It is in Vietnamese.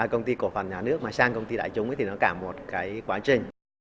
công ty cổ phân nhà nước ra công ty đại chúng thì nó cả một quá trình